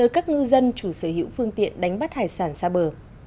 các ngư dân chủ sở hữu phương tiện đánh bắt hải sản xa bờ